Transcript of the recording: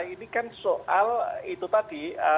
ini kan soal itu tadi